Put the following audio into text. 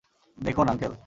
দেখুন, আংকেল।